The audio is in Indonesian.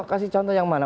kasih contoh yang mana